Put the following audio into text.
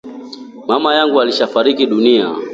Mama yangu alishafariki dunia